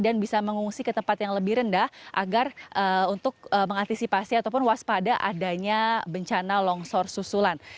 dan bisa mengungsi ke tempat yang lebih rendah agar untuk mengantisipasi ataupun waspada adanya bencana longsor susulan